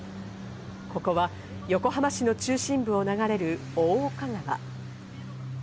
ここは横浜市の中心部を流れる大岡川。